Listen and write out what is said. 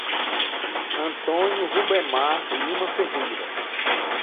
Antônio Rubemar Lima Ferreira